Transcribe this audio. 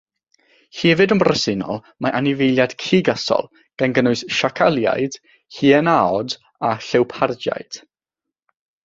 Hefyd yn bresennol mae anifeiliaid cigysol gan gynnwys siacaliaid, hienaod a llewpardiaid.